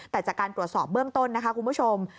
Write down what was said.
แต่จากการตรวจสอบเบื้องต้นนะคะคุณผู้ชม